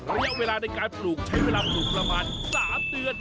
ระยะเวลาในการปลูกใช้เวลาปลูกประมาณ๓เดือน